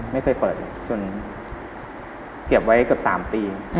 ไม่เคยเปิดเลยจนเก็บไว้เกือบ๓ปี